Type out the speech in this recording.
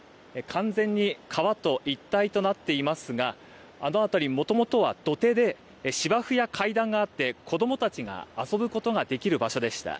完全に川と一体となっていますがあの辺り、もともとは土手で芝生や階段があって子供たちが遊ぶことができる場所でした。